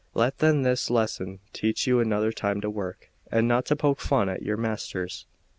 Let then this lesson teach you another time to work, and not to poke fun at your masters."